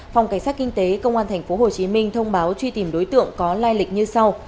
phòng cảnh sát kinh tế công an tp hcm thông báo truy tìm đối tượng có lai lịch như sau